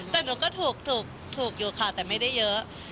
แต่หนูก็ถูกอยู่ค่ะแต่ไม่ได้เยอะ